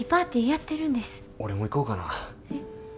俺も行こうかな。